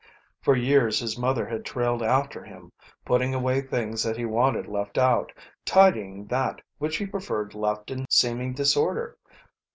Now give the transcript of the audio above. For years his mother had trailed after him, putting away things that he wanted left out, tidying that which he preferred left in seeming disorder.